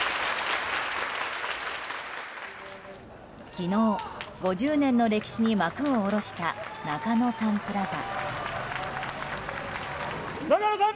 昨日、５０年の歴史に幕を下ろした中野サンプラザ。